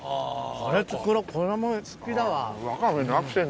これ作ろう子供好きだわ。